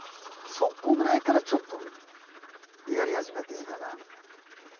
そこぐらいからちょっとやり始めていいかなみたいな。